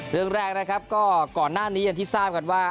เรื่องแรกก็ก่อนหน้านี้อาธิตรทรรายการการว่า